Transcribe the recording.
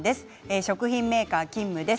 食品メーカー勤務です。